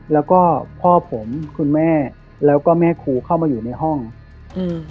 แล้วก็พ่อผมคุณแม่แล้วก็แม่ครูเข้ามาอยู่ในห้องอืม